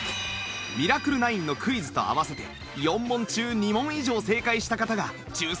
『ミラクル９』のクイズと合わせて４問中２問以上正解した方が抽選の対象です